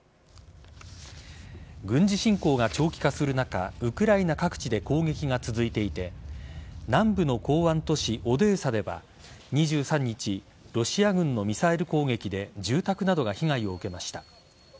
軍事侵攻が長期化する中ウクライナ各地で攻撃が続いていて南部の港湾都市・オデーサでは２３日ロシア軍のミサイル攻撃で住宅などが被害を受けました。